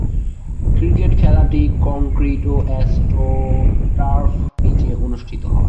Cricket খেলাটি concrete ও astroturf পিচে অনুষ্ঠিত হয়।